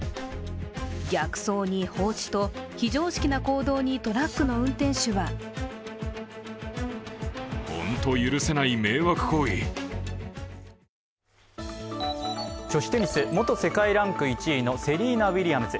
逆走に放置と、非常識な行動にトラックの運転手は女子テニス、元世界ランク１位のセリーナ・ウィリアムズ。